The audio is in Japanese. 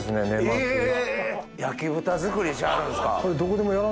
焼豚作りしはるんですか？